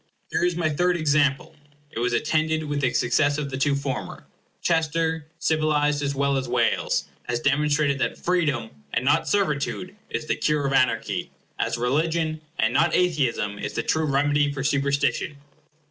Here is my third example. It was attended with the success of the two former. Chester, civilized as well as Wales, has demonstrated that freedom, and not servitude, is the cure of anarchy; as religion, and not atheism, is the true remedy for superstition.